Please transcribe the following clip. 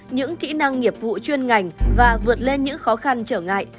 những kỹ năng nghiệp vụ chuyên ngành và vượt lên những khó khăn trở ngại